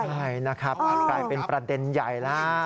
ใช่นะครับกลายเป็นประเด็นใหญ่แล้ว